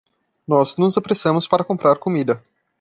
Nós nos apressamos para comprar comida.